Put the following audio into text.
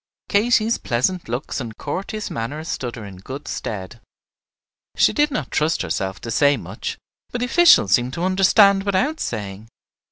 Katy's pleasant looks and courteous manner stood her in good stead. She did not trust herself to say much; but the officials seemed to understand without saying.